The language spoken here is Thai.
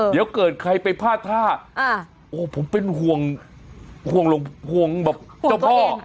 เดี๋ยวเกิดใครไปพลาดท่าโอ้ผมเป็นห่วงห่วงแบบเจ้าพ่อ